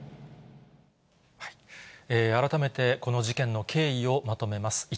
改めて、この事件の経緯をまとめます。